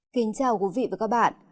kính chào quý vị và các bạn